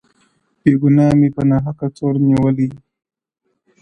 • بې گناه مي په ناحقه تور نيولي ,